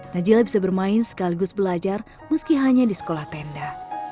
najila bisa bermain sekaligus belajar meski hanya di sekolah tenda